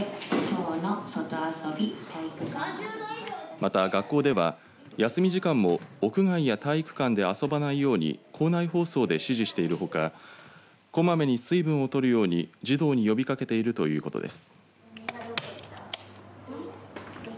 また、学校では休み時間も屋外や体育館で遊ばないように校内放送で指示しているほかこまめに水分を摂るように児童に呼びかけているということです。